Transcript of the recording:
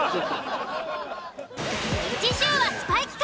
次週はスパイ企画。